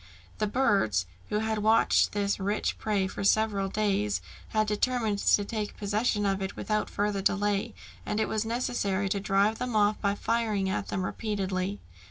The birds, who had watched this rich prey for several days, had determined to take possession of it without further delay, and it was necessary to drive them off by firing at them repeatedly.